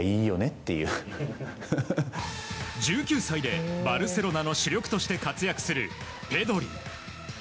１９歳でバルセロナの主力として活躍するペドリ。